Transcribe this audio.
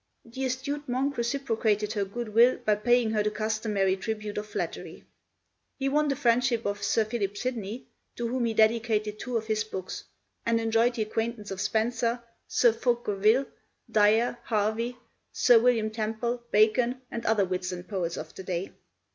The astute monk reciprocated her good will by paying her the customary tribute of flattery. He won the friendship of Sir Philip Sidney, to whom he dedicated two of his books, and enjoyed the acquaintance of Spenser, Sir Fulke Greville, Dyer, Harvey, Sir William Temple, Bacon, and other wits and poets of the day.